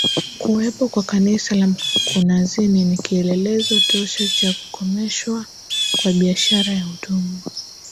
Kuwepo kwa kanisa la mkunazini ni kielelezo tosha cha kukomeshwa kwa biashara ya utumwa